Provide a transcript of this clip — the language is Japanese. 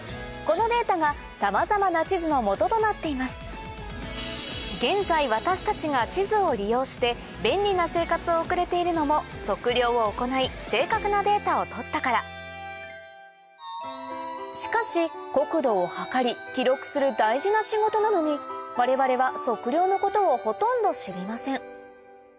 一体現在私たちが地図を利用して便利な生活を送れているのも測量を行い正確なデータを取ったからしかし国土を測り記録する大事な仕事なのに我々は測量のことをほとんど知りません